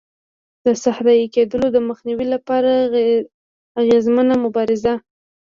د صحرایې کېدلو د مخنیوي لپاره اغېزمنه مبارزه.